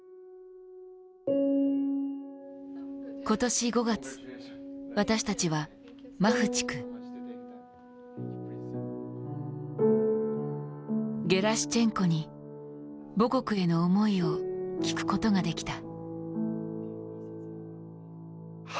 今年５月、私たちはマフチク、ゲラシュチェンコに母国への思いを聞くことができた。